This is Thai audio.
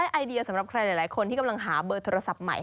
ไอเดียสำหรับใครหลายคนที่กำลังหาเบอร์โทรศัพท์ใหม่